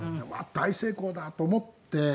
大成功だと思って。